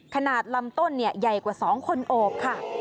ขนาดลำต้นใหญ่กว่า๒คนโอบค่ะ